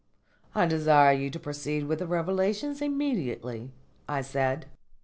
"I desire you to proceed with the revelations immediately," I said.